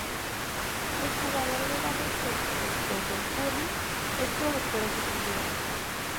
El jugador de baloncesto Stephen Curry es productor ejecutivo.